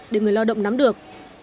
để người lao động nắm được